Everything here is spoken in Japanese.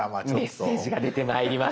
メッセージが出てまいりました。